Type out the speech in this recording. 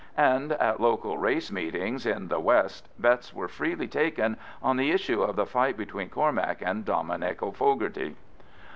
And at local race meetings in the west bets were freely taken on the issue of the fight between Cormac and Dominic O'Fogarty.